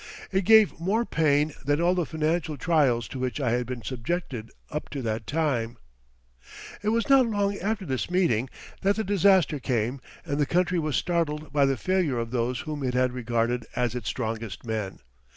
It gave more pain than all the financial trials to which I had been subjected up to that time. It was not long after this meeting that the disaster came and the country was startled by the failure of those whom it had regarded as its strongest men.